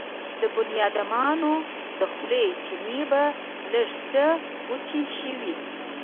د بنيادمانو د خولو چينې به لږ څه وچې شوې.